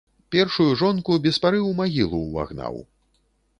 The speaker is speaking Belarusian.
Першую жонку без пары ў магілу ўвагнаў.